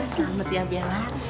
selamat ya bella